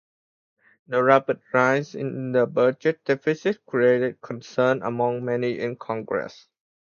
The rapid rise in the budget deficit created concern among many in Congress.